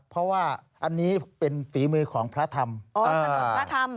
เพราะว่าอันนี้เป็นฝีมือของพระธรรมพระธรรม